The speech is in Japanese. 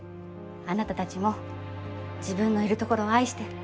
あなたたちも自分のいるところを愛して。